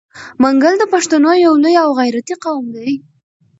منګل د پښتنو یو لوی او غیرتي قوم دی.